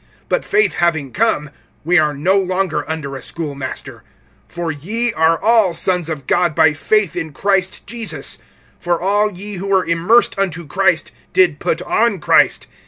(25)But faith having come, we are no longer under a schoolmaster. (26)For ye are all sons of God by faith in Christ Jesus. (27)For all ye who were immersed unto Christ[3:27], did put on Christ.